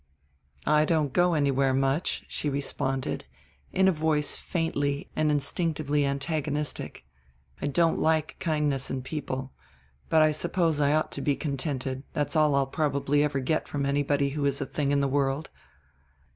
"I don't go anywhere much," she responded, in a voice faintly and instinctively antagonistic. "I don't like kindness in people; but I suppose I ought to be contented that's all I'll probably ever get from anybody who is a thing in the world.